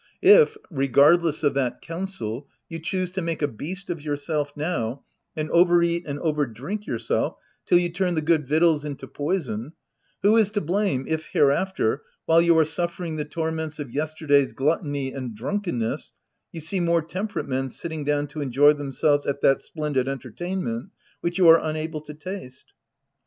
If, regardless of that counsel, you choose to make a beast of yourself now, and over eafc and over drink yourself till you turn the good victuals into poison, who is to blame if, here after, while you are suffering the torments of yesterday's gluttony and drunkenness, you see more temperate men sitting down to enjoy themselves at that splendid entertainment which you are unable to taste